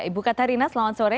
ibu katarina selamat sore